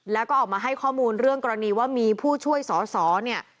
แล้วก็ออกมาให้ข้อมูลเรื่องกรณีว่ามีผู้ช่วยสอสอเนี่ย